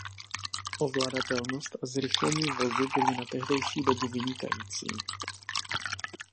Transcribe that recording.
Ovladatelnost a zrychlení vozu byly na tehdejší dobu vynikající.